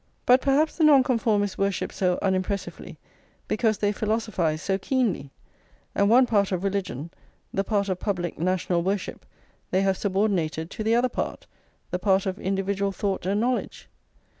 But perhaps the Nonconformists worship so unimpressively because they philosophise so keenly; and one part of religion, the part of public national worship, they have subordinated to the other part, the part of individual thought and knowledge?